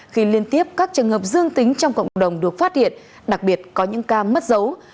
khi liên tiếp các trường hợp dương tính trong cộng đồng được phát hiện đặc biệt có những ca mất dấu